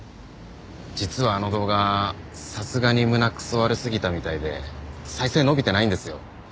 実はあの動画さすがに胸くそ悪すぎたみたいで再生伸びてないんですよ。